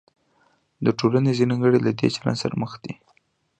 د ټولنې ځینې غړي له دې چلند سره مخ دي.